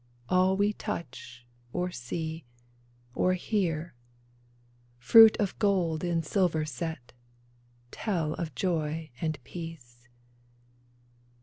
All we touch or see or hear — Fruit of gold in silver set — Tell of joy and peace.